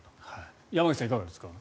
山口さん、いかがですか？